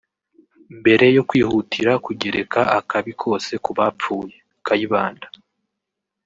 Mbere yo kwihutira kugereka akabi kose ku bapfuye (Kayibanda